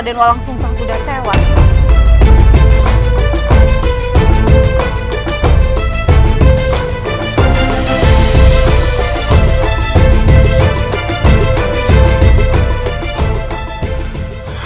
raden walang sungsang sudah tewas